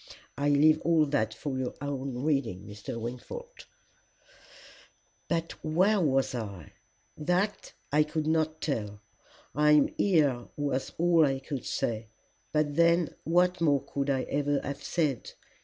I leave all that for your own reading, Mr. Wingfold. "'But where was I? That I could not tell. I am here was all I could say; but then what more could I ever have said?